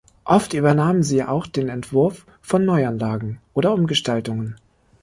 Oft übernahmen sie auch den Entwurf von Neuanlagen oder Umgestaltungen.